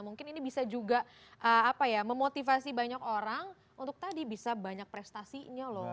mungkin ini bisa juga memotivasi banyak orang untuk tadi bisa banyak prestasinya loh